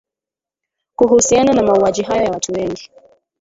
Kuhusiana na mauaji hayo ya watu wengi.